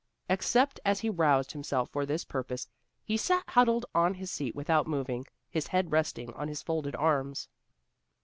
Except as he roused himself for this purpose, he sat huddled on his seat without moving, his head resting on his folded arms.